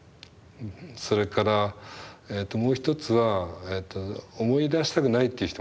それからもう一つは思い出したくないっていう人もいる。